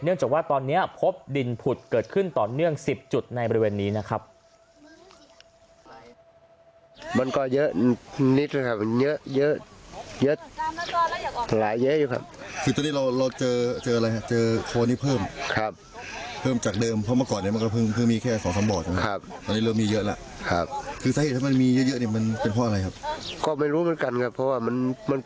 จากว่าตอนนี้พบดินผุดเกิดขึ้นต่อเนื่อง๑๐จุดในบริเวณนี้นะครับ